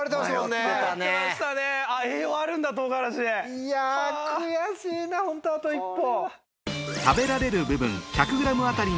いや悔しいなホントあと一歩。